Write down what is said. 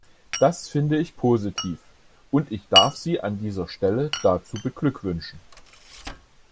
Das finde ich positiv, und ich darf Sie an dieser Stelle dazu beglückwünschen.